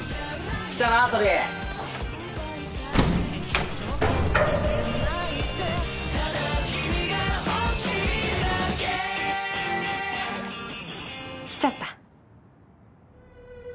来たなトリ。来ちゃった。